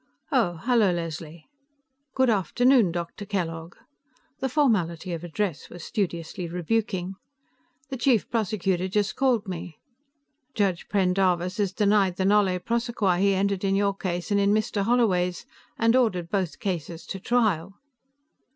"Oh, hello, Leslie." "Good afternoon, Dr. Kellogg." The formality of address was studiously rebuking. "The Chief Prosecutor just called me; Judge Pendarvis has denied the nolle prosequi he entered in your case and in Mr. Holloway's, and ordered both cases to trial."